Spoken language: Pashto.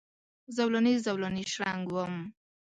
زولنې، زولنې شرنګ وم